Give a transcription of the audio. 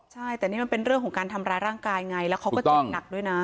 ใช่แต่นี่มันเป็นเรื่องของการทำร้ายร่างกายไงแล้วเขาก็เจ็บหนักด้วยนะ